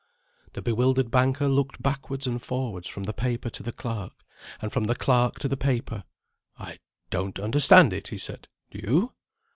The bewildered banker looked backwards and forwards from the paper to the clerk, and from the clerk to the paper. "I don't understand it," he said. "Do you?"